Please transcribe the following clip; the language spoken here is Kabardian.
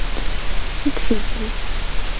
Sıt fi ts'er?